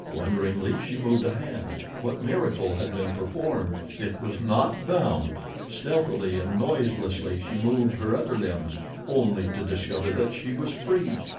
Wonderingly she moved a hand. What miracle had been performed? It was not bound! Stealthily and noiselessly she moved her other limbs, only to discover that she was free.